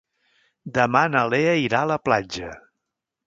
Demà na Lea irà a la platja.